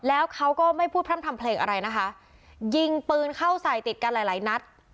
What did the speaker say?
แล้วเขาก็ไม่พูดพร่ำทำเพลงอะไรนะคะยิงปืนเข้าใส่ติดกันหลายหลายนัด